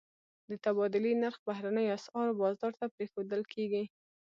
د تبادلې نرخ بهرنیو اسعارو بازار ته پرېښودل کېږي.